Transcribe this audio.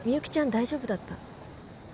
大丈夫だった？